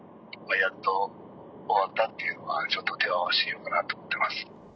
やっと終わったっていうのは、ちょっと手を合わせようかなとは思っています。